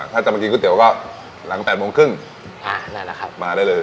ถ้าจะมากินก๋วยเตี๋ยวก็หลังแปดโมงครึ่งอ่านั่นแหละครับมาได้เลย